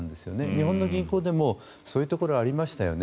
日本の銀行でもそういうところありましたよね。